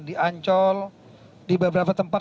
di ancol di beberapa tempat